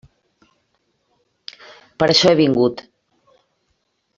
Per això he vingut.